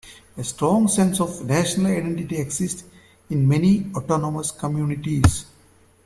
A strong sense of national identity exists in many autonomous communities.